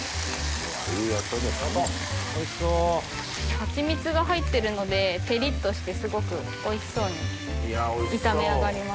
ハチミツが入ってるので照りっとしてすごくおいしそうに炒め上がります。